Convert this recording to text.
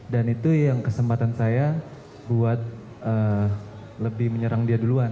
dan itu yang kesempatan saya buat lebih menyerang dia duluan